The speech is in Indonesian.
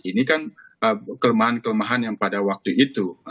ini kan kelemahan kelemahan yang pada waktu itu